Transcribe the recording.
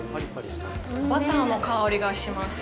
バターの香りがします。